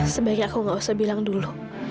sebaiknya aku gak usah bilang dulu